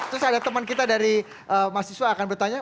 terus ada teman kita dari mahasiswa akan bertanya